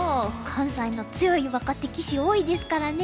関西の強い若手棋士多いですからね。